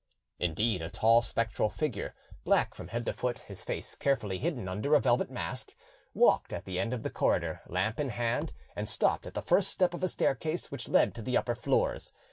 Indeed, a tall spectral figure, black from head to foot, his face carefully hidden under a velvet mask, walked at the end of the corridor, lamp in hand, and stopped at the first step of a staircase which led to the upper floors.